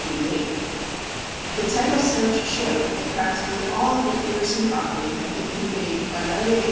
The title search showed that practically all of the Petersen property had been conveyed by Mary A.